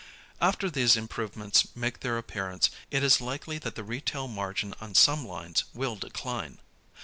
After these improvements make their appearance, it is likely that the retail margin on some lines will decline.